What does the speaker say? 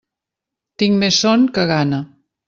Tinc més son que gana.